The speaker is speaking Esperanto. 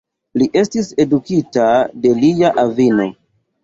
Li estis edukita de lia avino.